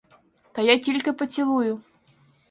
Та я тільки поцілую.